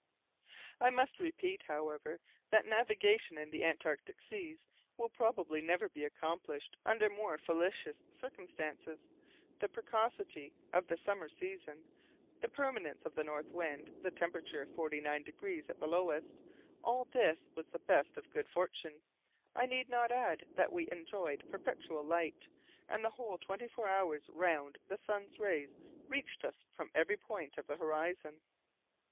I must repeat, however, that navigation in the Antarctic seas will probably never be accomplished under more felicitous circumstances the precocity of the summer season, the permanence of the north wind, the temperature forty nine degrees at the lowest; all this was the best of good fortune. I need not add that we enjoyed perpetual light, and the whole twenty four hours round the sun's rays reached us from every point of the horizon.